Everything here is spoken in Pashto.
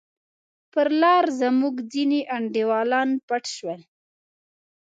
پر لار زموږ ځیني انډیوالان پټ شول.